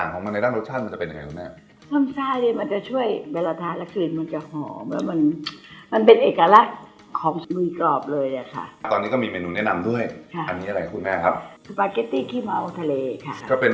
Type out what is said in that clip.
นะครับตอนนี้ก็มีเมนูแนะนำด้วยอันนี้อะไรคุณแม่ครับสปาเซตตี้ขี้เมาท์นเลกาเป็น